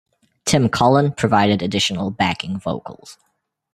Tim Cullen provided additional backing vocals.